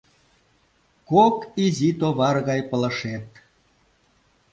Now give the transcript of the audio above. Кок изи товар гай пылышет.